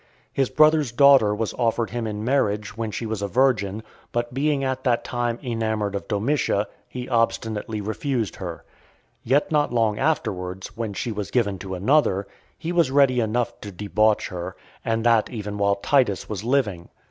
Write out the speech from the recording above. His brother's daughter was offered him in marriage when she was a virgin; but being at that time enamoured of Domitia, he obstinately refused her. Yet not long afterwards, when she was given to another, he was ready enough to debauch her, and that even while Titus was living.